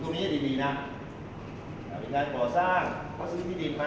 ดูตรงนี้ให้ดีนะ